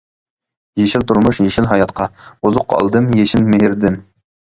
يېشىل تۇرمۇش يېشىل ھاياتقا، ئوزۇق ئالدىم يېشىل مېھىردىن.